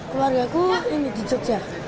keluarga ku ini di jogja